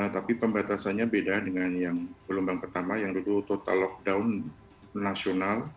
tapi pembatasannya beda dengan yang gelombang pertama yang dulu total lockdown nasional